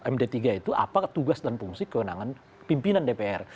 md tiga itu apa tugas dan fungsi kewenangan pimpinan dpr